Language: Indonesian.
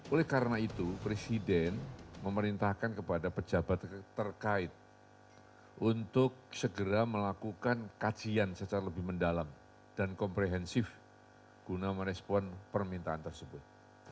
oleh karena itu presiden memerintahkan kepada pejabat terkait untuk segera melakukan kajian secara lebih mendalam dan komprehensif guna merespon permintaan tersebut